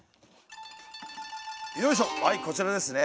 よいしょはいこちらですね。